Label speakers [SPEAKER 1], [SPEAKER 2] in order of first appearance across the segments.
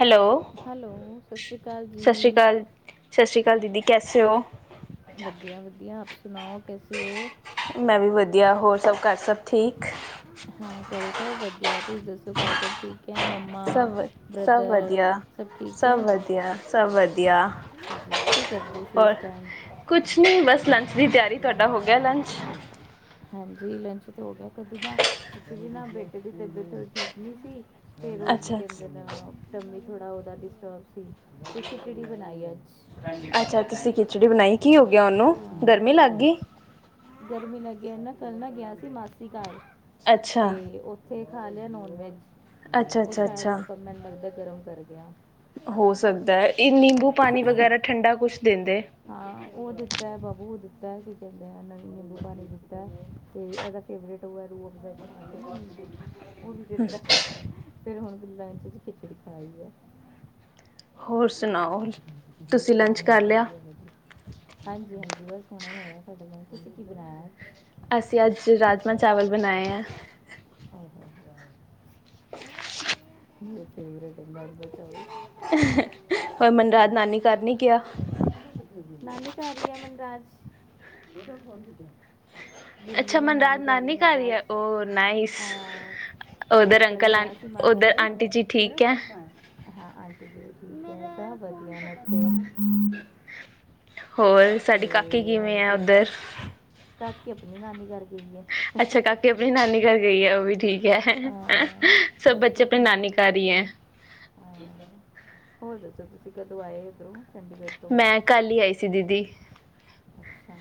[SPEAKER 1] Hello
[SPEAKER 2] hello ਸਤਿ ਸ਼੍ਰੀ ਅਕਾਲ
[SPEAKER 1] ਸਸ ਸ੍ਰੀ
[SPEAKER 2] ਜੀ
[SPEAKER 1] ਕਾਲ ਸਸ ਸ੍ਰੀ ਕਾਲ ਕੱਲ ਦੀਦੀ ਕੈਸੇ ਹੋ
[SPEAKER 2] ਵਧੀਆ ਵਧੀਆ ਆਪ ਸੁਨਾਓ ਕੈਸੇ ਹੋ
[SPEAKER 1] ਮੈਂ ਵੀ ਵਧੀਆ ਹੋਰ ਸਭ ਘਰ ਸਭ ਠੀਕ।
[SPEAKER 2] ਹਾਂ ਕਰਰੇ ਸਭ ਵਧੀਆ ਤੁਸੀਂ ਦੱਸੋ ਘਰ ਸਭ ਠੀਕ। ਹੈ ਮੰਮਾ
[SPEAKER 1] ਸਭ ਸਭ
[SPEAKER 2] ਬ੍ਰਦਰ
[SPEAKER 1] ਵਧੀਆ
[SPEAKER 2] ਠੀਕ
[SPEAKER 1] ਸਭ
[SPEAKER 2] ਹੈ
[SPEAKER 1] ਵਧੀਆ ਸਭ ਵਧੀਆ
[SPEAKER 2] ਅੱਛਾ ਜੀ ਕੀ ਕਰਦੇ ਸੀ
[SPEAKER 1] ਹੋਰ
[SPEAKER 2] ਇਸ ਟਾਈਮ
[SPEAKER 1] ਕੁਛ ਨੀ ਬਸ। ਲੰਚ ਦੀ ਤਿਆਰੀ ਤੁਹਾਡਾ ਹੋ ਗਿਆ ਲੰਚ?
[SPEAKER 2] ਹਾਂਜੀ ਲੰਚ ਤੇ ਹੋ ਗਿਆ ਕਦੀ ਨਾ ਐਚੁਲੀ ਨਾ ਬੇਟੇ ਦੀ ਤਬੀਅਤ ਠੀਕ ਨਹੀਂ ਸੀ। ਫੇਰ ਉਹ
[SPEAKER 1] ਅੱਛਾ,
[SPEAKER 2] ਕਹਿੰਦੇ ਤ ਥੋੜਾ ਉਹਦਾ ਡਿਸਟਰਬ ਸੀ ਵੀ ਖਿਚੜੀ ਬਣਾਈ ਆ,
[SPEAKER 1] ਅੱਛਾ ਤੁਸੀਂ ਖਿਚੜੀ ਬਣਾਈ। ਕੀ ਹੋ ਗਿਆ ਉਹਨੂੰ ਗਰਮੀ ਲੱਗ
[SPEAKER 2] ਹਾਂ।
[SPEAKER 1] ਗਈ?
[SPEAKER 2] ਐ ਨਾ ਮਾਸੀ ਘਰ ਗਿਆ ਸੀ।
[SPEAKER 1] ਅੱਛਾ,
[SPEAKER 2] ਤੇ ਉੱਥੇ ਖਾ ਲਿਆ ਨੋਨ ਵੈੱਜ
[SPEAKER 1] ਅੱਛਾ,
[SPEAKER 2] ਉਹ
[SPEAKER 1] ਅੱਛਾ,
[SPEAKER 2] ਸ਼ਾਇਦ
[SPEAKER 1] ਅੱਛਾ।
[SPEAKER 2] ਉਹ ਕੰਮੇ ਨੂੰ ਲੱਗਦਾ। ਗਰਮ ਕਰ ਗਿਆ।
[SPEAKER 1] ਹੋ ਸਕਦਾ ਇਹ ਨਿੰਬੂ ਪਾਣੀ ਵਗੈਰਾ ਠੰਢਾ ਕੁਛ ਦੇਂਦੇ।
[SPEAKER 2] ਹਾਂ ਉਹ ਦਿੱਤਾ ਏ ਬਾਬੂ ਦਿੱਤਾ ਐ ਕੀ ਕਹਿੰਦੇ ਆ ਨਈ ਨਿੰਬੂ ਪਾਣੀ ਦਿੱਤਾ ਐ। ਤੇ ਇਹਦਾ ਫੇਵਰੇਟ ਥੋੜਾ ਰੂ ਅਫਜਾ ਚ ਪਾਕੇ ਨਾ ਨਿੰਬੂ ਉਹ ਵੀ ਦਿੱਤਾ ਫੇਰ ਹੁਣ ਲਾਸਟ ਇਚ ਖਿਚੜੀ ਖਾਈ ਹੈ।
[SPEAKER 1] ਹੋਰ ਸ ਸੁਣਾਓ ਤੁਸੀਂ ਲੰਚ ਕਰ
[SPEAKER 2] ਬਸ
[SPEAKER 1] ਲਿਆ?
[SPEAKER 2] ਵਧੀਆ ਵਧੀਆ ਹਾਂਜੀ ਹਾਂਜੀ ਬਸ ਹੁਣੇ ਹੋਆ ਸਾਡਾ ਲੰਚ, ਤੁਸੀ ਕੀ ਬਣਾਇਆ? ਅੱਜ
[SPEAKER 1] ਅਸੀਂ ਅੱਜ ਰਾਜਮਾਂ ਚਾਵਲ ਬਣਾਏ ਹੈ।
[SPEAKER 2] ਆਏ ਮੇਰੇ ਫੇਵਰੇਟ ਏ ਮਰਦ ਚਾਵਲ।
[SPEAKER 1] ਹੋਰ ਮਨਰਾਜ ਨਾਨੀ ਘਰ ਨੀ ਗਿਆ?
[SPEAKER 2] ਨਾਨੀ ਘਰ ਨੀ ਗਿਆ ਮਨਰਾਜ।
[SPEAKER 1] ਅੱਛਾ
[SPEAKER 2] ਦਿੱਲੀ ਆ
[SPEAKER 1] ਮਨਰਾਜ
[SPEAKER 2] ਹੀ
[SPEAKER 1] ਨਾਨੀ ਘਰ ਈ
[SPEAKER 2] ਮਨਰਾਜ
[SPEAKER 1] ਹੈ ਉਹ ਨਾਈਸ,
[SPEAKER 2] ਅਹ, ਤੇ
[SPEAKER 1] ਓਧਰ
[SPEAKER 2] ਕੱਲ
[SPEAKER 1] ਅੰਕਲ ਆਂ
[SPEAKER 2] ਗਿਆ ਸੀ ਮਾਸੀ
[SPEAKER 1] ਓਧਰ
[SPEAKER 2] ਓਏ। ਘਰ
[SPEAKER 1] ਆਂਟੀ ਜੀ
[SPEAKER 2] ਤੇਰਾ
[SPEAKER 1] ਠੀਕ ਹੈ?
[SPEAKER 2] ਫੋਨ ਕਾ ਹਾਂ ਆਂਟੀ ਜੀ ਠੀਕ ਐ। ਸ ਵਧੀਆ ਨੇ ਓਥੇ।
[SPEAKER 1] ਹੋਰ ਸਾਡੀ ਕਾਕੀ ਕਿਵੇਂ ਆ
[SPEAKER 2] ਫਿਰ
[SPEAKER 1] ਓਧਰ?
[SPEAKER 2] ਕਾਕੀ ਆਪਣੀ ਨਾਨੀ ਘਰ ਗਈ ਹੈ।
[SPEAKER 1] ਅੱਛਾ ਕਾਕੀ ਆਪਣੀ ਨਾਨੀ ਘਰ ਗਈ ਹੈ ਉਹ ਵੀ ਠੀਕ।
[SPEAKER 2] ਅਹ,
[SPEAKER 1] ਸਭ
[SPEAKER 2] ਕਾਕੀ
[SPEAKER 1] ਬੱਚੇ ਅਪਣੀ
[SPEAKER 2] ਆਪਣੀ
[SPEAKER 1] ਨਾਨੀ ਘਰ ਹੀ
[SPEAKER 2] ਗਈ
[SPEAKER 1] ਹੈ।
[SPEAKER 2] ਅਹ, ਹੋਰ ਦਸੋ ਤੁਸੀ ਕਦੋਂ ਆਏ ਉਧਰੋਂ। ਚੰਡੀਗੜ੍ਹ ਤੋਂ
[SPEAKER 1] ਮੈਂ ਕੱਲ ਹੀ ਆਈ ਸੀ ਦੀਦੀ।
[SPEAKER 2] ਅੱਛਾ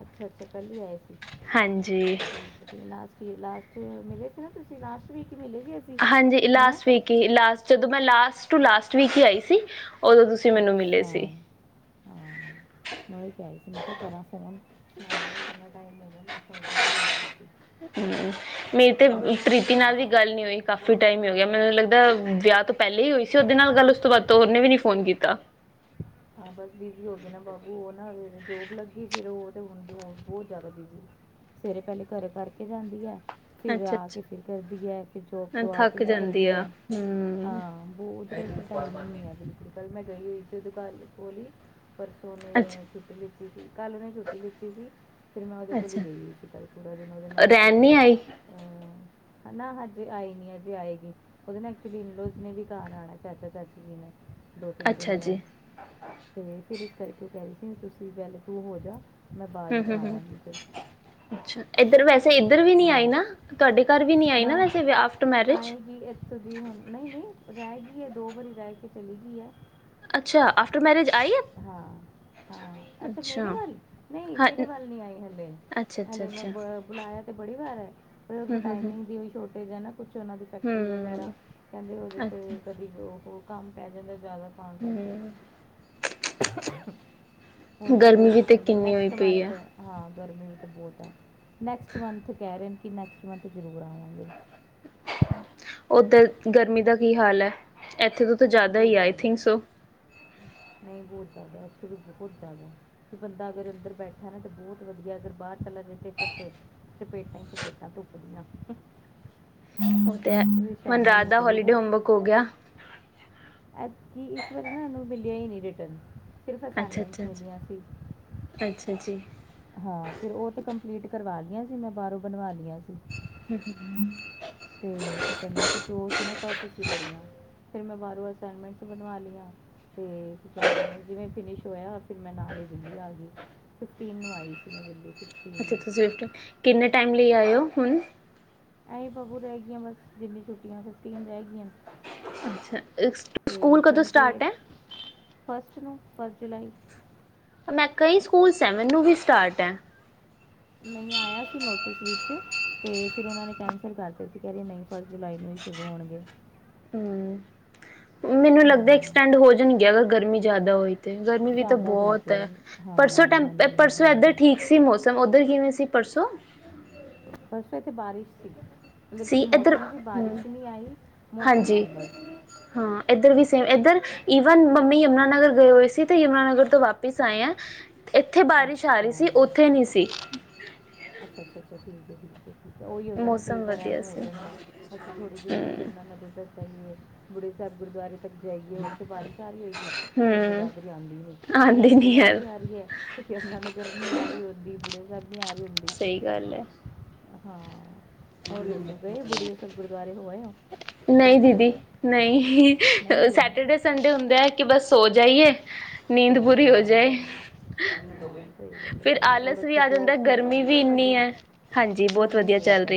[SPEAKER 2] ਅੱਛਾ ਅੱਛਾ ਕੱਲ ਹੀ ਆਏ ਸੀ।
[SPEAKER 1] ਹਾਂਜੀ ਜੀ।
[SPEAKER 2] ਠੀਕ ਹੈ ਲਾਸਟ ਲਾਸਟ ਮਿਲੇ ਸੀ ਨਾ ਤੁਸੀ ਲਾਸਟ ਵੀਕ। ਹੀ ਮਿਲੇ ਸੀ ਅਸੀਂ
[SPEAKER 1] ਹਾਂਜੀ
[SPEAKER 2] ਹੈ ਨਾ
[SPEAKER 1] ਲਾਸਟ ਵੀਕ ਹੀ ਲਾਸਟ ਜਦੋਂ ਮੈਂ ਲਾਸਟ ਟੂ ਲਾਸਟ ਵੀਕ ਹੀ ਆਈ ਸੀ। ਉਦੋਂ ਤੁਸੀਂ ਮੈਨੂੰ ਮਿਲੇ
[SPEAKER 2] ਅੱਛਾ
[SPEAKER 1] ਸੀ।
[SPEAKER 2] ਹਾਂ ਮੈਂ ਓ ਹੀ ਕਿਹ ਰਹੀ ਸੀ ਮੈਂ ਕਿਹਾ ਕਰਾਂ ਫੋਨ ਸਮਾਈਲੀ ਨੂੰ ਕਿੰਨਾ ਟਾਈਮ ਹੋ ਗਯਾ ਮੈਂ ਕੋਈ ਗਲ ਈ ਨਹੀਂ ਕੀਤੀ।
[SPEAKER 1] ਹੂੰ ਮੇਰੀ ਤੇ ਪ੍ਰੀਤੀ ਨਾਲ ਵੀ ਗੱਲ ਨੀ ਹੋਈ ਕਾਫੀ ਕਾਫੀ ਟਾਈਮ ਹੀ ਹੋ ਗਿਆ ਮੈਨੂੰ ਲੱਗਦਾ ਵਿਆਹ ਤੋਂ ਪਹਿਲੇ ਹੀ ਹੋਈ ਸੀ ਉਹਦੇ ਨਾਲ ਗੱਲ ਉਸ ਤੋਂ ਬਾਅਦ ਉਹਨੇ ਵੀ ਨੀ ਫੋਨ ਕੀਤਾ।
[SPEAKER 2] ਹਾਂ ਬਸ ਬਿਜ਼ੀ ਹੋ ਗਏ ਨਾ ਬਾਬੂ ਉਹ ਨਾ ਜੋਬ ਲੱਗੀ ਫਿਰ ਉਹ ਤਾਂ ਹੁਣ ਜੋ ਬਹੁਤ ਜ਼ਿਆਦਾ ਬਿਜ਼ੀ ਸਵੇਰੇ ਪਹਿਲੇ ਘਰ ਕਰਕੇ ਜਾਂਦੀ ਹੈ। ਫਿਰ
[SPEAKER 1] ਅੱਛਾ
[SPEAKER 2] ਆ ਕੇ ਫਿਰ
[SPEAKER 1] ਅੱਛਾ
[SPEAKER 2] ਕਰਦੀ ਹੈ ਫਿਰ ਜੋਬ ਤੋਂ ਆ ਕੇ
[SPEAKER 1] ਥੱਕ
[SPEAKER 2] ਵੀ
[SPEAKER 1] ਜਾਂਦੀ
[SPEAKER 2] ਕਰਦੀ
[SPEAKER 1] ਆ
[SPEAKER 2] ਹੈ।
[SPEAKER 1] ਹਮ
[SPEAKER 2] ਹਾਂ ਬਹੁਤ ਕੁਝ ਤਾਂ ਟਾਈਮ ਹੀ ਨਹੀਂ ਹੈ ਬਿਲਕੁੱਲ। ਕੱਲ ਮੈਂ ਗਈ ਹੋਈ ਸੀ ਓਦੋ ਘਰ ਬੋਲੀ ਪਰਸੋ
[SPEAKER 1] ਅੱਛਾ
[SPEAKER 2] ਓਨੇ ਛੁਟੀ ਲਿ ਜੀ-ਜੀ ਕੱਲ੍ਹ ਉਹਨੇ ਛੁੱਟੀ ਲਿੱਤੀ ਸੀ ਫਿਰ ਮੈਂ ਉਹਦੇ ਕੋਲ ਹੀ
[SPEAKER 1] ਅੱਛਾ,
[SPEAKER 2] ਗਈ ਹੋਈ ਸੀ ਕੱਲ੍ਹ ਪੂਰਾ ਦਿਨ ਉਹਦੇ ਨਾਲ ਵੀ
[SPEAKER 1] ਰਹਿਣ ਨੀ ਆਈ
[SPEAKER 2] ਕੀਤਾ ਨਾ ਹਜੇ ਆਏ ਨੀ ਅਜੇ ਆਏਗੀ ਉਹਦੇ ਨਾਲ ਐਕਚੁਲੀਲ ਇਨਲੋਜ ਵੀ ਘਰ ਆਉਣਾ ਚਾਚਾ ਚਾਚੀ ਜੀ ਨੇ ਦੋ ਤਿੰਨ
[SPEAKER 1] ਅੱਛਾ
[SPEAKER 2] ਦਿਨ
[SPEAKER 1] ਜੀ
[SPEAKER 2] ਰਹਿਣ ਤੇ ਫਿਰ ਇਸ ਕਰਕੇ ਉਹ ਕਹਿ ਰਹੀ ਸੀ ਤੁਸੀਂ ਵ ਪਹਿਲੇ ਤੂ ਹੋ ਜਾ ਮੈਂ ਬਾਅਦ
[SPEAKER 1] ਹੂੰ
[SPEAKER 2] ਵਿੱਚ
[SPEAKER 1] ਹੂੰ ਹੂੰ
[SPEAKER 2] ਆਵਾਂਗੀ ਫਿਰ
[SPEAKER 1] ਅਛਾ ਇਧਰ ਵੈਸੇ ਇਧਰ ਵੀ ਨੀ ਆਈ
[SPEAKER 2] ਹਾਂ
[SPEAKER 1] ਨਾ ਤੁਹਾਡੇ ਘਰ ਵੀ ਆਈ ਨੀ ਨਾ ਆਫਟਰ ਮੈਰਿਜ।
[SPEAKER 2] ਆਏਗੀ ਨੀ ਦੋ ਵਾਰੀ ਰਹਿ ਕੇ ਚਲੀ ਗਈ ਹੈ।
[SPEAKER 1] ਅੱਛਾ ਆਫਟਰ ਮੈਰਿਜ ਆਈ ਆ
[SPEAKER 2] ਹਾਂ- ਹਾਂ ਅੱਛਾ ਮੇਰੇ ਵੱਲ ਨਹੀਂ
[SPEAKER 1] ਹਾਂ
[SPEAKER 2] ਮੇਰੇ ਵੱਲ ਨਹੀ ਆਈ ਹਲੇ
[SPEAKER 1] ਅੱਛਾ ਅੱਛਾ
[SPEAKER 2] ਹਲੇ ਮੈਂ
[SPEAKER 1] ਅੱਛਾ
[SPEAKER 2] ਬੁਲਾਇਆ ਤੇ ਬੜੀ ਵਾਰ ਹੈ। ਫਿਰ ੳਨਾ
[SPEAKER 1] ਹਮ
[SPEAKER 2] ਨੂੰ
[SPEAKER 1] ਹਮ
[SPEAKER 2] ਟਾਈਮਿੰਗ ਦੀ ਵੀ ਥੋੜੀ [unintelligible] ਕੁਛ ਉਹਨਾਂ ਦੀ
[SPEAKER 1] ਹਮ
[SPEAKER 2] ਫੈਕਟਰੀ ਵਗੈਰਾ
[SPEAKER 1] ਹਮ
[SPEAKER 2] ਕਹਿੰਦੇ ਉਹਦੇ
[SPEAKER 1] ਅੱਛਾ
[SPEAKER 2] 'ਤੇ ਕਦੇ ਕੰਮ ਪੈ ਜਾਂਦਾ ਜ਼ਿਆਦਾ ਕੰਮ ਕਰਕੇ
[SPEAKER 1] ਹਮ
[SPEAKER 2] ਹੁਣ ਫੇਰ
[SPEAKER 1] ਗਰਮੀ
[SPEAKER 2] ਉਹ
[SPEAKER 1] ਵੀ
[SPEAKER 2] ਕੀ
[SPEAKER 1] ਤੇ
[SPEAKER 2] ਕਹਿੰਦੇ
[SPEAKER 1] ਕਿੰਨੀ ਹੋਈ
[SPEAKER 2] ਨੈਕਸਟ
[SPEAKER 1] ਪਈ
[SPEAKER 2] ਮੰਥ
[SPEAKER 1] ਹੈ।
[SPEAKER 2] ਹਾਂ ਗਰਮੀ ਵੀ ਤਾਂ ਬਹੁਤ ਹੈ। ਨੈਕਸਟ ਮੰਥ ਕਹਿ ਰਹੇ ਨੇ ਕਿ ਨੈਕਸ ਮੰਥ ਜ਼ਰੂਰ ਆਵਾਂਗੇ
[SPEAKER 1] ਓਧਰ ਗਰਮੀ ਦਾ ਕੀ ਹਾਲ ਹੈ। ਇੱਥੇ ਤੋਂ ਤਾਂ ਜ਼ਿਆਦਾ ਹੀ ਆਈ ਥਿੰਕ ਸੋ।
[SPEAKER 2] ਨਹੀਂ ਬਹੁਤ ਜ਼ਿਆਦਾ ਇੱਥੇ ਵੀ ਬਹੁਤ ਜ਼ਿਆਦਾ ਤੇ ਬੰਦਾ ਅਗਰ ਅੰਦਰ ਬੈਠਾ ਨਾ ਤੇ ਬਹੁਤ ਵਧੀਆ ਅਗਰ ਬਾਹਰ ਚਲਾ ਜਾ ਤੇ ਫਿਰ ਤੇ ਚਪੇਟਾਂ ਹੀ ਚਪੇਟਾਂ ਤੁੁੱਪਦੀਆਂ
[SPEAKER 1] ਉਹ ਤੇ ਮਨਰਾਜ ਦਾ ਹੋਲੀਡੇ ਹੋਮਵਰਕ ਹੋ ਗਿਆ।
[SPEAKER 2] ਕੀ ਇਸ ਵਾਰੀ ਨਾ ਇਹਨੂੰ ਮਿਲਿਆ ਹੀ ਨਹੀਂ ਰਿਟਰਨ ਸਿਰਫ
[SPEAKER 1] ਅੱਛਾ -ਅੱਛਾ
[SPEAKER 2] ਅਸਾਈਨਮੈਂਟਸ ਮਿਲੀਆਂ ਸੀ
[SPEAKER 1] -ਅੱਛਾ -ਅੱਛਾ ਜੀ
[SPEAKER 2] ਹਾਂ ਫਿਰ ਉਹ ਤੇ ਕੰਪਲੀਟ ਕਰਵਾ ਲਆਂ ਸੀ ਮੈਂ ਬਾਹਰੋਂ ਬਣਵਾ ਲਿਆ ਸੀ। ਤੇ ਕੀ ਕਹਦੇ ਕੁਛ ਉਹ ਸੀ ਨਾ ਕਾਫੀਸੀ ਬੜੀਆਂ ਫਿਰ ਮੈਂ ਬਾਹਰੋਂ ਅਸਾਈਨਮੈਂਟਸ ਬਣਵਾ ਲਈਆਂ ਤੇ ਕੀ ਕਹਿੰਦੇ ਜਿਵੇਂ ਫਿਨਿਸ਼ ਹੋਇਆ ਫਿਰ ਮੈਂ ਨਾਲ ਹੀ ਦਿੱਲੀ ਆ ਗਈ ਫਿਫਟੀਨ ਆਈ ਸੀ ਮੈਂ ਦਿੱਲੀ
[SPEAKER 1] ਅੱਛਾ ਕਿਨੇ ਟਾਈਮ ਲਈ ਆਇਓ ਹੁਣ
[SPEAKER 2] ਏਹੀ ਬਾਕੀ ਰਹਿ ਗਈਆਂ ਬਸ ਜਿੰਨੀ ਛੁੱਟੀਆਂ ਫਿਫਟੀਨ ਰਹਿ ਗਈਆਂ
[SPEAKER 1] ਅੱਛਾ
[SPEAKER 2] ਤੇ
[SPEAKER 1] ਸਕੂਲ ਕਦੋਂ ਸਟਾਰਟ ਹੈ।
[SPEAKER 2] ਪੰਜ ਜੁਲਾਈ।
[SPEAKER 1] ਮੈਂ ਕਈ ਸਕੂਲ ਸੈਵਨ ਨੂੰ ਵੀ ਸਟਾਰਟ ਹੈ।
[SPEAKER 2] ਨਹੀਂ ਆਇਆ ਸੀ ਨੋਟਿਸ ਵਿੱਚ,, ਤੇ ਫਿਰ ਉਹਨਾਂ ਨੇ ਕੈਂਸਲ ਕਰ ਦਿੱਤਾ ਸੀ ਕਹਿ ਰਹੀਏ ਨਹੀਂ ਫਸਟ ਜੁਲਾਈ ਨੂੰ ਹੀ ਸ਼ੁਰੂ ਹੋਣਗੇ,
[SPEAKER 1] ਹਮ,,,,, ਮੈਨੂੰ ਲੱਗਦਾ
[SPEAKER 2] ਹਾਂ
[SPEAKER 1] ਐਕਸਟੈਂਡ ਹੋ ਜਾਣਗੀਆਂ ਗਰਮੀ ਚ, ਜ਼ਿਆਦਾ ਹੋਏ ਗਰਮੀ ਵੀ ਤਾਂ
[SPEAKER 2] ਜ਼ਿਆਦਾ ਹੋਈ
[SPEAKER 1] ਬਹੁਤ
[SPEAKER 2] ਪਏ
[SPEAKER 1] ਹੈ
[SPEAKER 2] ਹਾਂ
[SPEAKER 1] ਪਰਸੋਂ ਟੈਂ
[SPEAKER 2] ਹਾਂਜੀ
[SPEAKER 1] ਪਰਸੋਂ
[SPEAKER 2] ਹਾਂਜੀ
[SPEAKER 1] ਇੱਧਰ
[SPEAKER 2] ਹਾਂਜੀ
[SPEAKER 1] ਠੀਕ ਸੀ ਮੌਸਮ ਉੱਧਰ ਕਿਵੇਂ ਸੀ? ਪਰਸੋਂ,,,,,,
[SPEAKER 2] ਪਰਸੋਂ ਇੱਥੇ ਬਾਰਿਸ਼ ਸੀ, ਮਤਲਬ
[SPEAKER 1] ਸੀ
[SPEAKER 2] ਕਿ
[SPEAKER 1] ਇਧਰ,,,,,,
[SPEAKER 2] ਮੌਸਮ ਸੀ ਬਾਰਿਸ਼
[SPEAKER 1] ਹਮ
[SPEAKER 2] ਨਹੀਂ ਆਈ ਮੌਸਮ ਸੀ ਬਸ
[SPEAKER 1] ਹਾਂਜੀ,,,,, ਹਾਂ ਇੱਧਰ ਵੀ ਸੇਮ ਇੱਧਰ ਈਵਨ ਮੰਮੀ ਆਉਣਾ,, ਯਮੁਾਨਗਰ ਗਏ ਹੋਏ ਸੀ ਤੇ ਯਮੁਨਾਨਗਰ ਤੋਂ ਵਾਪਿਸ ਆਏ ਆ, ਇੱਥੇ ਬਾਰਿਸ਼ ਆ ਰਹੀ
[SPEAKER 2] ਅੱਛਾ
[SPEAKER 1] ਸੀ ਉੱਥੇ ਨਹੀਂ ਸੀ,
[SPEAKER 2] ਅੱਛਾ ਅੱਛਾ ਅੱਛਾ ਠੀਕ ਹੈ ਠੀਕ ਹੈ, ਹੋ ਹੀ ਜਾਂਦਾ ਨਾ ਕਈ
[SPEAKER 1] ਮੌਸਮ
[SPEAKER 2] ਵਾਰ
[SPEAKER 1] ਵਧੀਆ
[SPEAKER 2] ਐਵੇਂ ਹੋ
[SPEAKER 1] ਸੀ
[SPEAKER 2] ਜਾਂਦਾ ਅਸੀਂ ਥੋੜੀ ਜੀ ਦੂਰ
[SPEAKER 1] ਹਮ
[SPEAKER 2] ਜੰਮਣਾਨਗਰ, ਏ,, ਬੁੜੇ ਸਾਹਿਬ ਗੁਰਦੁਆਰੇ ਤੱਕ ਜਾਈਏ ਉੱਥੇ ਬਾਜ਼ਿਸ਼ ਆਹੀ ਹੋਗੀ ਸਾਡੇ
[SPEAKER 1] ਹਮ
[SPEAKER 2] ਜਗਾਦਰੀ ਆਉਂਦੀ ਸੀ ਜੇ ਸਾਡੇ
[SPEAKER 1] ਆਉਂਦੀ ਨੀ ਯਾਰ
[SPEAKER 2] ਜਗਾਦਰੀ ਆ ਰਹੀ ਹੈ ਤੇ ਯਮਣਾ ਨਗਰ ਨਹੀਂ ਆ ਰਹੀ ਹੁੰਦੀ [inaudible]
[SPEAKER 1] ਸਹੀ ਗੱਲ ਹੈ,,,
[SPEAKER 2] ਹਾਂ, ਹੋਰ ਦੱਸੋ ਗਏ ਬੁੜੇ ਸਾਹਿਬ ਗੁਰਦੁਆਰੇ ਹੋਏ ਹੋ
[SPEAKER 1] ਨਹੀਂ
[SPEAKER 2] ਜਾਂਦੇ ਹੋ
[SPEAKER 1] ਦੀਦੀ ਨਹੀਂ
[SPEAKER 2] ਨਹੀਂ ਗਏ
[SPEAKER 1] ਸੈਟਰਡੇ ਸੰਡੇ ਹੁੰਦੇ ਆ, ਕਿ ਬਸ ਸੋਂ ਜਾਈਏ,
[SPEAKER 2] ਸੋ
[SPEAKER 1] ਨੀਂਦ ਪੂਰੀ ਹੋ ਜਾਏ,
[SPEAKER 2] ਜਾਵਾਂ ਹਾਂ ਸਹੀ ਗੱਲ ਹੈ
[SPEAKER 1] ਫਿਰ
[SPEAKER 2] ਸਹੀ ਗੱਲ ਔਰ
[SPEAKER 1] ਆਲਸ ਵੀ
[SPEAKER 2] ਉੱਥੇ
[SPEAKER 1] ਆ
[SPEAKER 2] ਜੋਬ
[SPEAKER 1] ਜਾਂਦਾ
[SPEAKER 2] ਠੀਕ ਚੱਲ
[SPEAKER 1] ਗਰਮੀ
[SPEAKER 2] ਰਹੀ
[SPEAKER 1] ਵੀ ਇੰਨੀ
[SPEAKER 2] ਤੁਹਾਡੀ
[SPEAKER 1] ਹੈ, ਹਾਂਜੀ ਬਹੁਤ
[SPEAKER 2] ਗਰਮੀ
[SPEAKER 1] ਵਧੀਆ ਚੱਲਦਾ,
[SPEAKER 2] ਹੈ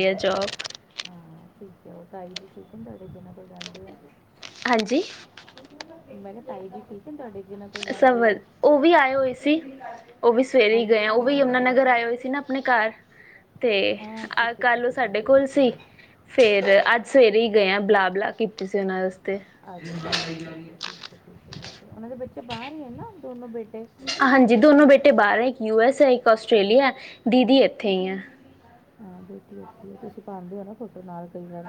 [SPEAKER 2] ਹਾਂ ਉਹ ਤਾਈ ਜੀ ਠੀਕ ਹੈ ਤੁਹਾਡੇ ਜਿਨ੍ਹਾਂ ਕੋਲ ਜਾਂਦੇ ਹੋ
[SPEAKER 1] ਹਾਂਜੀ,
[SPEAKER 2] ਮੈਂ ਕਿਹਾ ਤਾਈ ਜੀ ਠੀਕ ਨੇ ਤੁਹਾਡੇ ਜਿਨ੍ਹਾਂ ਕੋਲ ਰਹਿੰਦੇ
[SPEAKER 1] ਸਵਲ
[SPEAKER 2] ਹੋ
[SPEAKER 1] ਉਹ ਵੀ ਆਏ ਹੋਏ ਸੀ, ਉਹ ਵੀ ਸਵੇਰੇ ਹੀ ਗਏ ਆ ਉਹ
[SPEAKER 2] ਅੱਛਾ
[SPEAKER 1] ਵੀ ਯਮੁਨਾਾਨਗਰ ਆਏ ਹੋਏ ਸੀ ਨਾ ਆਪਣੇ ਘਰ, ਤੇ
[SPEAKER 2] ਹਾਂ
[SPEAKER 1] ਅੱਜ
[SPEAKER 2] ਠੀਕ ਹੈ
[SPEAKER 1] ਕੱਲ ਉਹ
[SPEAKER 2] ਠੀਕ ਹੈ
[SPEAKER 1] ਸਾਡੇ
[SPEAKER 2] ਠੀਕ ਹੈ
[SPEAKER 1] ਕੋਲ
[SPEAKER 2] ਠੀਕ
[SPEAKER 1] ਸੀ
[SPEAKER 2] ਹੈ
[SPEAKER 1] ਫੇਰ ਅੱਜ ਸਵੇਰੇ ਹੀ, ਗਏ ਆਂ ਬੁਲਾਬਲਾ ਕੀਤੀ ਸੀ ਉਹਨਾਂ,
[SPEAKER 2] ਅੱਛਾ ਠੀਕ ਹੈ ਠੀਕ ਹੈ ਠੀਕ ਉਹਨਾਂ ਦੇ ਬੱਚੇ ਬਾਹਰ ਹੀ ਹੈ ਨਾ ਦੋਨੋ ਬੇਟੇ
[SPEAKER 1] ਹਾਂਜੀ ਦੋਨੋ ਬੇਟੇ ਬਾਹਰ ਹੈ ਇੱਕ ਯੂ ਐਸ, [unintelligible] ਇੱਕ ਆਸਟ੍ਰੇਲੀਆ ਦੀਦੀ ਇੱਥੇ ਹੀਈ ਆ,
[SPEAKER 2] ਹਾਂ ਦੇਖੀ ਆ ਤੁਸੀਂ ਪਾਉਦੇ ਹੋ ਨਾ ਫੋਟੋ ਨਾਲ, ਕਈ ਵੱਲ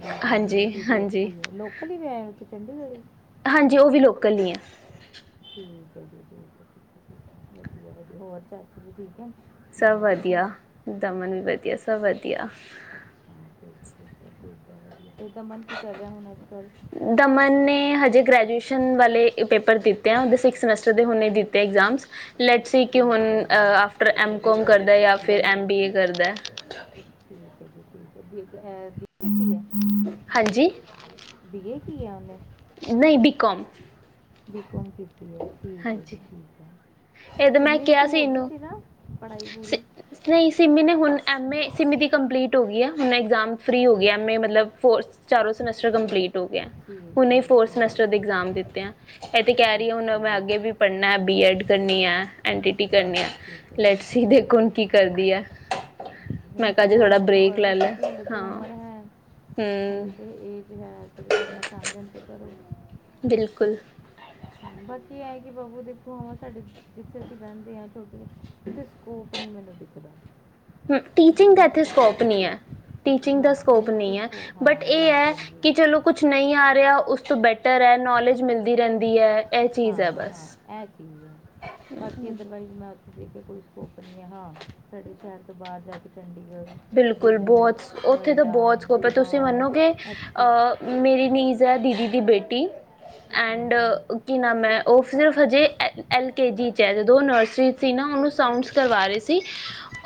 [SPEAKER 2] ਦੀਦੀ
[SPEAKER 1] ਹਾਂਜੀ
[SPEAKER 2] ਦੀਦੀ ਇੱਥੇ
[SPEAKER 1] ਹਾਂਜੀ
[SPEAKER 2] ਆ ਲੋਕਲ ਹੀ ਵੀ ਆ ਉੇ ਚੰਡੀਗੜ੍ਹ
[SPEAKER 1] ਹਾਂਜੀ ਉਹ ਵੀ ਲੋਕਲ ਹੀ ਹੈ
[SPEAKER 2] ਠੀਕ ਹੈ ਜੀ ਠੀਕ ਵਧਿਆ ਹੋਰ ਚਾਚਾ ਜੀ ਠੀਕ ਹੈ?
[SPEAKER 1] ਸਭ
[SPEAKER 2] ਮੰਮਾ ਠੀਕ ਹੈ
[SPEAKER 1] ਵਧੀਆ ਦਮਨ ਵੀ ਵਧੀਆ, ਸਭ ਵਧੀਆ।
[SPEAKER 2] ਅੱਛਾ [unintelligible] ਕੀ ਕਰ ਰਿਹਾ ਹੁਣ ਅੱਜ ਕੱਲ
[SPEAKER 1] ਦਮਨ ਨੇ ਹਜੇ ਗ੍ਰੈਜੂਏਸ਼ਨ ਵਾਲੇ ਪੇਪਰ ਦਿੱਤੇ ਆਦੇ ਸਿਕਸ ਸਮਸਟਰ ਦੇ ਹੁਣੇ ਦਿੱਤੇ, ਤੇ ਇਗਜ਼ਾਮ ਲੈਟ ਸੀ ਕਿ ਹੁਣ
[SPEAKER 2] ਠੀਕ ਹੈ
[SPEAKER 1] ਆਫਟਰ ਐਮ ਕੋਮ ਕਰਦਾ ਜਾਂ ਫਿਰ ਐਮ ਬੀ ਏ। ਕਰਦਾ।
[SPEAKER 2] ਠੀਕ ਹੈ ਠੀਕ ਹੈ।
[SPEAKER 1] ਹਾਂਜੀ।
[SPEAKER 2] ਬੀਏ ਕੀ ਆਉਂਦੇ।
[SPEAKER 1] ਨਹੀਂ ਬਿਕੋਮ
[SPEAKER 2] ਬਿਕੋਮ ਠੀਕ ਹੈ, ਜੀ ਠੀਕ ਹੈ,
[SPEAKER 1] ਇਹ ਤਾਂ ਮੈਂ
[SPEAKER 2] ਸਿੰਮੀ ਦੀ
[SPEAKER 1] ਕਿਹਾ
[SPEAKER 2] ਤੇ ਹੋ ਗਈ
[SPEAKER 1] ਇਹਨੂੰ
[SPEAKER 2] ਸੀ ਨਾ ਪੜਾਈ ਪੂਰੀ।
[SPEAKER 1] ਐੱਮ ਏ ਸੀਮੀ ਦੀ ਕੰਪਲੀਟ ਹੋ ਗਈ ਹੈ ਹੁਣ ਐਗਜ਼ਾਮ ਫਰੀ ਹੋ ਗਿਆ ਐੱਮ ਏ ਮਤਲਬ ਫੋਰ ਚਾਰੋਂ ਸਮੈਸਟਰ ਕੰਪਲੀਟ ਪਾਸ ਹੋ ਗਿਆ
[SPEAKER 2] ਠੀਕ ਹੈ
[SPEAKER 1] ਫੋਰਥ
[SPEAKER 2] ਠੀਕ ਹੈ
[SPEAKER 1] ਸਮੈਸਟਰ ਦੇ
[SPEAKER 2] ਠੀਕ
[SPEAKER 1] ਇਗਜ਼ਾਮ
[SPEAKER 2] ਹੈ
[SPEAKER 1] ਦਿੱਤੇ ਆ ਇਹ ਏ ਤੇ ਕੈਰੀ ਹੁਣ
[SPEAKER 2] ਅੱਛਾ
[SPEAKER 1] ਮੈਂ
[SPEAKER 2] ਜੀ
[SPEAKER 1] ਅੱਗੇ ਵੀ ਪੜਨਾ ਬੀਐਡ ਕਰਨੀ ਹ ਐਨਟੀਟੀ ਕਰਨੀ ਆ ਲੈਟਸ ਸੀ ਦੇਖੋ ਕੀ ਕਰਦੀ ਆ ਮੈਂ ਕਿਹਾ ਜੀ ਥੋੜਾ ਬਰੇਕ ਲੈ ਲਿਆ ਹਾਂ। ਹਮ
[SPEAKER 2] ਹਾਂਜੀ ਏ ਤੇ ਹੈ। ਪੜਨਾ ਚਾਂਦੇ ਤੇ ਕਰੋ।
[SPEAKER 1] ਬਿਲਕੁਲ
[SPEAKER 2] ਹਾਂ ਬਾਕੀ ਹੈ ਕਿ ਬਾਬੂ ਦੇਖੋ ਹੁਣ ਸਾਡੇ ਜਿੱਥੇ ਅਸੀਂ ਰਹਿੰਦੇ ਹਾਂ। ਸੋਚਿਆ ਉਤੇ ਸਕੋਪ ਨਹੀਂ ਮਿਲਦਾ। ਕਦੀ ਕਦਾ
[SPEAKER 1] ਟੀਚਿੰਗ ਦਾ ਇੱਥੇ ਸਕੋਪ ਨਹੀਂ ਹੈ, ਟੀਚਿੰਗ ਦਾ
[SPEAKER 2] ਹਾਂ
[SPEAKER 1] ਸਕੋਪ
[SPEAKER 2] ਮੈਨੂੰ ਉੱਥੇ
[SPEAKER 1] ਨਹੀਂ ਹੈ।
[SPEAKER 2] ਸਕੋ ਹਾਂ
[SPEAKER 1] ਬਟ ਇਹ
[SPEAKER 2] ਹਾਂਜੀ
[SPEAKER 1] ਹੈ
[SPEAKER 2] ਹਾਂਜੀ
[SPEAKER 1] ਕਿ ਚਲੋ ਕੁਛ ਨਹੀਂ ਆ ਰਿਹਾ, ਉਸ ਤੋਂ ਬੈਟਰ ਹੈ ਨੌਲੇਜ ਮਿਲਦੀ ਰਹਿੰਦੀ ਹੈ। ਇਹ ਚੀਜ਼ ਹੈ
[SPEAKER 2] ਹਾਂ-ਹਾਂ
[SPEAKER 1] ਬਸ
[SPEAKER 2] ਇਹ ਚੀਜ਼ ਹੈ ਬਾਕੀ ਅਦਰਵਾਈਜ਼ ਮੈਂ ਜੇਕਰ ਕੋਈ ਸਕੋਪ ਆਪ ਹਾਂ ਸਾਡੇ ਸ਼ਹਿਰ ਤੋਂ ਬਾਹਰ ਜਾ ਕੇ ਚੰਡੀਗੜ੍ਹ
[SPEAKER 1] ਬਿਲਕੁਲ,
[SPEAKER 2] ਦਿੱਲੀ
[SPEAKER 1] ਬਹੁਤ ਉੱਥੇ ਤਾਂ
[SPEAKER 2] ਨੋਇਡਾ
[SPEAKER 1] ਬਹੁਤ ਸਕੋਪ ਹੈ, ਤੁਸੀਂ
[SPEAKER 2] ਗੁੜਗਾਓਂ
[SPEAKER 1] ਮੰਨੋਗੋ।
[SPEAKER 2] ਇੱਥੇ
[SPEAKER 1] ਅਹ ਮੇਰੀ ਨੀਜ਼ ਹੈ ਦੀਦੀ ਦੀ ਬੇਟੀ ਐਂਡ
[SPEAKER 2] ਹਾਂਜੀ
[SPEAKER 1] ਕੀ ਨਾਮ ਏ ਉਹ ਸਿਰਫ ਹਜੇ ਐ ਐਲ ਕੇ ਜੀ 'ਚ ਹੈ। ਜਦੋਂ ਨਰਸਰੀ ਸੀ ਨਾ ਉਹਨੂੰ ਸਾਊਂਡਸ ਕਰਵਾ ਰਹੇ ਸੀ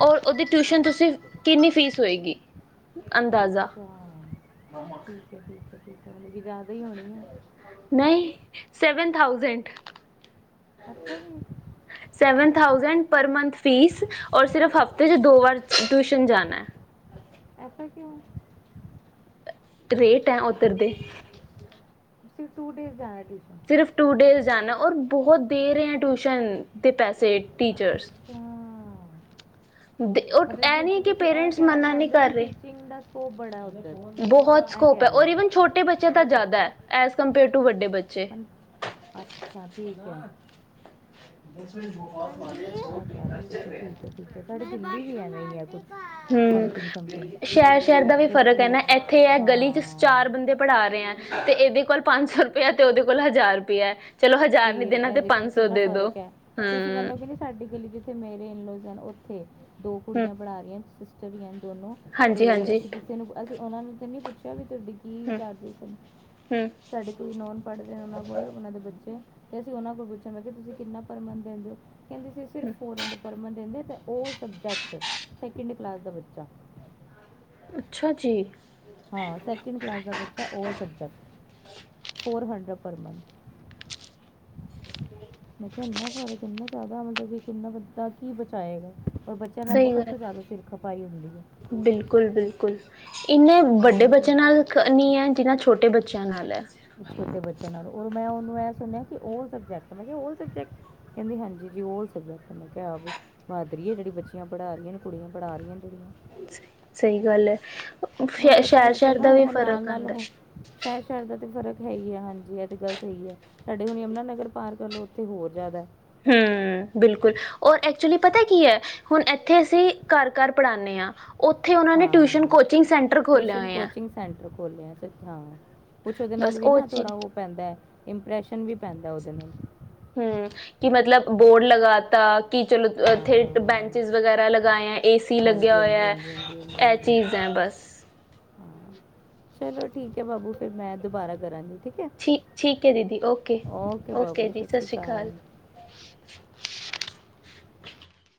[SPEAKER 1] ਔਰ ਉਹਦੀ ਟਿਊਸ਼ਨ ਤੁਸੀਂ ਕਿੰਨੀ ਫੀਸ ਹੋਏਗੀ ਅੰਦਾਜ਼ਾ
[SPEAKER 2] ਅੱਛਾ ਠੀਕ ਹੈ, ਠੀਕ ਹੈ। [unintelligible] ਹੈ
[SPEAKER 1] ਨਹੀਂ ਸਵਨ ਥਾਊਜੈਂਡ।
[SPEAKER 2] ਅੱਛਾ ਜੀ
[SPEAKER 1] ਸੇਵਨ ਥਾਉਜੈਂਡ ਪਰ ਮੰਥ ਫੀਸ ਔਰ ਸਿਰਫ ਹਫਤੇ ਚ ਦੋ ਵਾਰ ਟਿਊਸ਼ਨ ਜਾਣਾ।
[SPEAKER 2] ਐਸਾ ਕਿਉਂ।
[SPEAKER 1] ਰੇਟ ਹੈ ਉੱਧਰਦੇ
[SPEAKER 2] ਟੂ ਡੇਜ਼ ਜਾਣਾ ਜੀ
[SPEAKER 1] ਸਿਰਫ ਟੂ ਡੇਜ਼ ਜਾਣਾ ਔਰ ਬਹੁਤ ਦੇ ਰਹੇ ਆ ਟਿਊਸ਼ਨ ਦੇ ਪੈਸੇ। ਟੀਚਰਸ
[SPEAKER 2] ਅੱਛਾ
[SPEAKER 1] ਉਹ
[SPEAKER 2] ਮਤਲਬ
[SPEAKER 1] ਇਹ
[SPEAKER 2] ਉੱਥੇ
[SPEAKER 1] ਨਹੀਂ ਕਿ ਪੇਰੈਂਟਸ ਮਨਾ ਨਹੀਂ ਕਰ ਰਹੇ।
[SPEAKER 2] ਉਹ ਬੜਾ ਉਹਦਾ
[SPEAKER 1] ਬਹੁਤ ਸਕੋਪ ਹੈ ਔਰ ਵਨ ਛੋਟੇ ਬੱਚਿਆਂ ਤਾਂ
[SPEAKER 2] ਬਾਬੂ
[SPEAKER 1] ਜ਼ਿਆਦਾ ਹੈ ਐਜ ਕੰਪੇਅਰ ਟੂ ਵੱਡੇ ਬੱਚੇ।
[SPEAKER 2] ਠੀਕ ਹੈ। ਠੀਕ ਹੈ ਠੀਕ ਤੁ ਦਿੱਲੀ ਵੀ ਐਵੇਂ ਆ।
[SPEAKER 1] ਹੂੰ ਸ਼ਹਿਰ ਸ਼ਹਿਰ ਦਾ ਵੀ ਫ਼ਰਕ ਹੈ
[SPEAKER 2] ਕਿਉਂਕਿ
[SPEAKER 1] ਨਾ ਇੱਥੇ ਹੈ ਗਲੀ ਚ
[SPEAKER 2] ਹਾਂ
[SPEAKER 1] ਚਾਰ ਬੰਦੇ ਪੜ੍ਹਾ ਰਹੇ ਹੈ ਤੇ ਇਹਦੇ। ਕੋਲ ਪੰਜ ਸੌ ਰੁਪਇਆ ਤੇ ਉਹਦੇ ਕੋਲ ਹਜ਼ਾਰ ਰੁਪਇਆ। ਚਲੋ ਹਜ਼ਾਰ ਨੀ
[SPEAKER 2] ਫੇਰ
[SPEAKER 1] ਦੇਣਾ
[SPEAKER 2] ਇਹ
[SPEAKER 1] ਤੇ
[SPEAKER 2] ਦੇਖੋ
[SPEAKER 1] ਪੰਜ ਸੌ
[SPEAKER 2] ਕਿੰਨਾ
[SPEAKER 1] ਦੇ ਦੋ
[SPEAKER 2] ਫ਼ਰਕ ਹੈ ਤੁਸੀਂ ਮੰਨੋ
[SPEAKER 1] ਹਮ
[SPEAKER 2] ਕਿ ਨਹੀਂ ਸਾਡੀ ਗਲੀ ਚ ਤੇ ਮੇਰੇ ਇਨਲੋਜ਼ਨ ਉੱਥੇ ਦੋ
[SPEAKER 1] ਹੂੰ,
[SPEAKER 2] ਕੁੜੀਆਂ ਪੜ੍ਹਾ ਰਹੀਆਂ। [unintelligible] ਦੋਨੋ ਤੇ
[SPEAKER 1] ਹਾਂਜੀ-ਹਾਂਜੀ,
[SPEAKER 2] ਅਸੀਂ ਕਿਸੇ ਨੂੰ ਅਸੀਂ ਉਹਨਾਂ ਨੂੰ ਤੇ ਨੀ ਪੁੱਛੇ ਕਹਿੰਦੇ ਤੁਹਾਡੇ ਕੀ
[SPEAKER 1] ਹੂੰ-ਹੂੰ,
[SPEAKER 2] ਚਾਰਜਿਸ ਹਨ ਸਾਡੇ ਕੋਈ ਨੋਨ ਪੜ੍ਹ ਰਹੇ ਨੇ ਉਹਨਾਂ ਕੋਲ ਉਹਨਾਂ ਦੇ ਬੱਚੇ ਤੇ ਅਸੀਂ ਉਹਨਾਂ ਕੋਲ ਪੁੱਛਣ ਮੈਂ ਕਿਹਾ ਤੁਸੀਂ ਕਿੰਨਾ ਪ੍ਰਮੰਨ ਦਿੰਦੇ ਹੋ। ਕਹਿੰਦੇ ਸੀ ਸਿਰਫ ਫੋਰਨ ਪਰਮਨ ਦਹਿੰਦੇ ਉਹ ਸਬਜੈਕਟ ਸੈਕਿੰਡ ਕਲਾਸ ਦਾ ਬੱਚਾ।
[SPEAKER 1] ਅੱਛਾ ਜੀ।
[SPEAKER 2] ਹਾਂ ਸੈਕਿੰਡ ਕਲਾਸ ਦਾ ਬੱਚਾ all subject four hundred per month ਮੈਂ ਕਿਹਾ ਇੰਨਾ ਫਰਕ ਇਨਾ ਜ਼ਿਆਦਾ ਮਤਲਬ ਕਿ ਕਿੰਨਾ ਵੱਦਾ ਕੀ ਬਚਾਏਗਾ। ਪਰ ਬੱਚਿਆਂ ਨਾਲ
[SPEAKER 1] ਸਹੀ
[SPEAKER 2] ਤਾਂ ਸਭ
[SPEAKER 1] ਗੱਲ ਹੈ।
[SPEAKER 2] ਤੋਂ ਜ਼ਿਆਦਾ ਸਿਰ ਖਪਾਈ ਹੁੰਦੀ ਹੈ
[SPEAKER 1] ਬਿਲਕੁਲ-ਬਿਲਕੁਲ। ਇੰਨੇ ਵੱਡੇ
[SPEAKER 2] ਉਹਨਾਂ ਵਿੱਚ
[SPEAKER 1] ਬੱਚਿਆਂ ਨਾਲ ਨਹੀਂ ਹੈ। ਜਿਨਾ ਛੋਟੇ ਬੱਚਿਆਂ ਨਾਲ ਹੈ।
[SPEAKER 2] ਛੋਟੇ ਬੱਚਿਆਂ ਨਾਲੋਂ ਰ ਮੈਂ ਉਹਨੂੰ ਇਹ ਸੁਣਿਆ ਕਿ ਆਲ ਸਬਜੈਕਟ ਮੈਂ ਕਿਹਾ ਆਲ ਸਬਜੈਕਟ ਕਹਿੰਦੀ ਹਾਂਜੀ ਜੀ ਆਲ ਸਬਜੈਕਟ ਮੈਂ ਕਿਹਾ ਮਾਦਰੀ ਹੈ ਜਿਹੜੀ ਬੱਚੀਆਂ ਪੜਾ ਰਹੀਆਂ ਕੁੜੀਆਂ ਪੜਾ ਰਹੀਆਂ। ਜਿਹੜੀਆਂ।
[SPEAKER 1] ਸਹੀ ਗੱਲ ਹੈ।
[SPEAKER 2] ਉਹ, ਵੈਸੇ ਮੇਰੇ ਖਿਆਲ
[SPEAKER 1] ਸ਼ਹਿਰ-ਸ਼ਹਿਰ ਦਾ ਵੀ
[SPEAKER 2] ੳਹ ਨਾਲ
[SPEAKER 1] ਫ਼ਰਕ
[SPEAKER 2] ਨਾਲ
[SPEAKER 1] ਆਂਦਾ।
[SPEAKER 2] ਹੌੳ ਸ਼ਹਿਰ ਸ਼ਹਿਰ ਦਾ ਤੇ ਫਰਕ ਹੈ ਹੀ, ਹੈ ਹਾਂਜੀ ਇਹ ਤਾਂ ਗੱਲ ਸਹੀ ਹੈ, ਸਾਡੇ ਹੁਣ ਯਮੁਨਾ ਨਗਰ ਪਾਰਕ ਲਓ ਉੱਥੇ ਹੋਰ ਜ਼ਿਆਦਾ
[SPEAKER 1] ਹੂੰ ਬਿਲਕੁਲ ਔਰ ਐਕਚੁਲੀ ਪਤਾ ਕੀ ਹੈ ਹੁਣ ਇੱਥੇ ਅਸੀਂ ਘਰ ਘਰ ਪੜ੍ਹਾਣੇ ਹਾਂ ਓਥੇ ਉਹ ਨੇ ਟਿਊਸ਼
[SPEAKER 2] ਹਾਂ
[SPEAKER 1] ਕੋਚਿੰਗ ਸੈਂਟਰ ਖੋਲ੍ਹੇ ਹੋਏ ਆ
[SPEAKER 2] ਖੋਲਿਆ ਹਾ ਕੁਛ ਉਹਦੇ ਨਾਲ
[SPEAKER 1] ਬਸ
[SPEAKER 2] ਵੀ ਨਾ
[SPEAKER 1] ਚੀਜ਼
[SPEAKER 2] ਥੋੜ੍ਹਾ ਉਹ ਪੈਂਦਾ ਹੈ। ਇੰਪਰੈਸ਼ਨ ਵੀ ਪੈਂਦਾ ਉਹਦੇ ਨਾਲ
[SPEAKER 1] ਹੂੰ ਕਿ ਮਤਲਬ ਬੋਰਡ ਲਗਾਤਾ ਕਿ ਚਲੋ
[SPEAKER 2] ਹਾਂ
[SPEAKER 1] ਇੱਥੇ ਬੈਂਚਜ਼ ਵਗੈਰਾ ਲਗਾਏ ਆ ਏਸੀ ਲੱਗਿਆ
[SPEAKER 2] ਹਾਂਜੀ ਹਾਂਜੀ
[SPEAKER 1] ਹੋਇਆ,
[SPEAKER 2] ਹਾਂਜੀ ਹਾਂਜੀ
[SPEAKER 1] ਇਹ ਚੀਜ਼ ਹੈ ਬਸ
[SPEAKER 2] ਹਾਂ ਚਲੋ ਠੀਕ ਹੈ ਬਾਬੂ ਫਿਰ ਮੈਂ ਦੁਬਾਰਾ ਕਰਾਂਗੀ।
[SPEAKER 1] ਠੀਕ ਠੀਕ ਹੈ ਦੀਦੀ, ਓਕੇ ਓਕੇ ਜੀ ਸਤਿ ਸ੍ਰੀ ਅਕਾਲ।